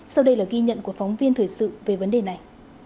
sau đây là ghi nhận của phóng viên thời sự về vấn đề này